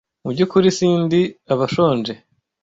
Mubyukuri sindi abashonje.